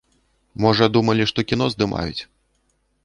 Можа, думалі, што кіно здымаюць.